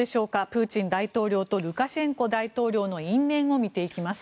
プーチン大統領とルカシェンコ大統領の因縁を見ていきます。